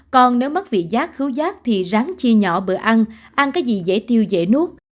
còn nếu mất vị giác khứu rác thì ráng chia nhỏ bữa ăn ăn cái gì dễ tiêu dễ nuốt